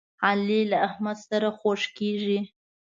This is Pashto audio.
علي له احمد سره خوږ کېږي.